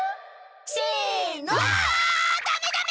せの！わダメダメ！